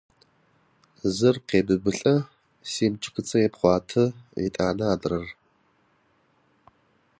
Зыр къебыбылӏэ, семчыкыцэ епхъуатэ, етӏанэ–адрэр…